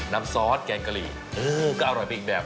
ซอสแกงกะหรี่เออก็อร่อยไปอีกแบบ